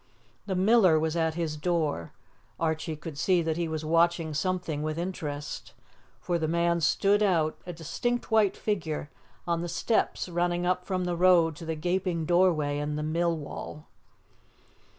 The miller was at his door. Archie could see that he was watching something with interest, for the man stood out, a distinct white figure, on the steps running up from the road to the gaping doorway in the mill wall.